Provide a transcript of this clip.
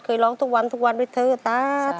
เคยร้องทุกวันทุกวันไปเถอะสาธุ